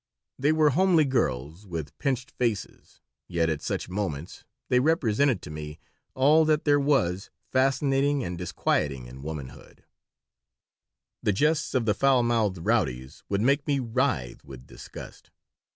They were homely girls, with pinched faces, yet at such moments they represented to me all that there was fascinating and disquieting in womanhood The jests of the foul mouthed rowdies would make me writhe with disgust.